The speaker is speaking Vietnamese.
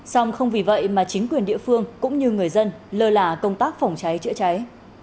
xong không vì vậy mà chính quyền địa phương cũng như người dân lơ là công tác phòng cháy chữa cháy